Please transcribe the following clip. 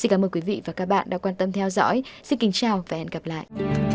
cảm ơn các bạn đã theo dõi và hẹn gặp lại